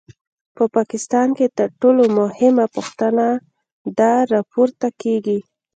په پاکستان کې تر ټولو مهمه پوښتنه دا راپورته کېږي.